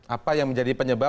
apa yang menjadi penyebab